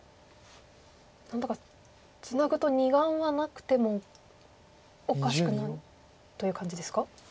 何だかツナぐと２眼はなくてもおかしくないという感じですか？